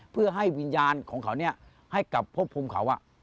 เพื่อให้วิญญาณของเขาให้กลับพบภูมิเขา